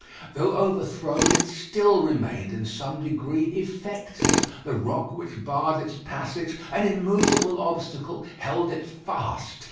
Though overthrown, it still remained in some degree effective. The rock which barred its passage, an immovable obstacle held it fast.